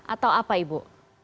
atau apa ibu